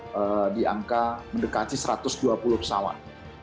jadi di angka mendekati satu ratus dua puluh pesawat